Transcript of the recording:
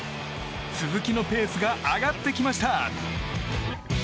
鈴木のペースが上がってきました。